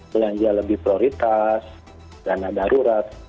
belanja lebih prioritas dana darurat